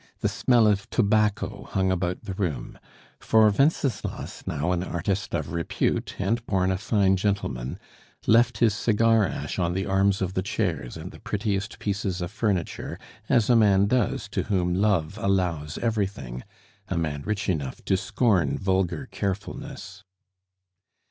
The smell of tobacco hung about the room; for Wenceslas, now an artist of repute, and born a fine gentleman, left his cigar ash on the arms of the chairs and the prettiest pieces of furniture, as a man does to whom love allows everything a man rich enough to scorn vulgar carefulness.